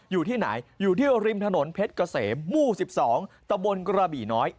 อยู่ที่ไหนอยู่ที่ริมถนนเพชรเกษมหมู่๑๒ตะบนกระบี่น้อย